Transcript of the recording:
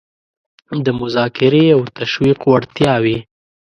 د مذاکرې او تشویق وړتیاوې